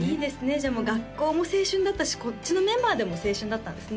じゃあもう学校も青春だったしこっちのメンバーでも青春だったんですね